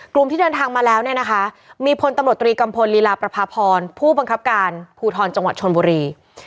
ที่เดินทางมาแล้วเนี่ยนะคะมีพลตำรวจตรีกัมพลลีลาประพาพรผู้บังคับการภูทรจังหวัดชนบุรี